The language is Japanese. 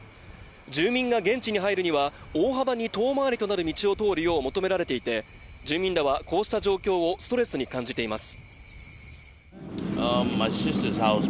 住民が現地に入るには大幅に遠回りになる道を通るよう求められていて住民らはこうした状況をストレスに感じています。